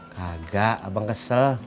kagak abang kesel